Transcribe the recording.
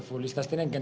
fusilis harus memahami